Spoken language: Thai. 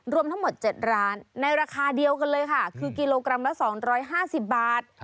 รวมทั้งหมด๗ร้านในราคาเดียวกันเลยค่ะคือกิโลกรัมละ๒๕๐บาท